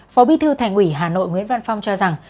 phó bí thư thành ủy hà nội nguyễn văn phong cho rằng